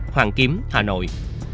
hoàng kiếm hà nội